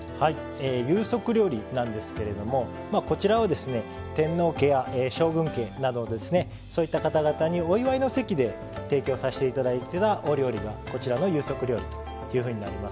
有職料理なんですけれどこちらを天皇家、将軍家そういった方々にお祝いの席で提供させていただいているお料理が、こちらの有職料理になります。